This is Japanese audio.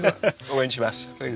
応援します。